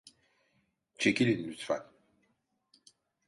Çekilin lütfen.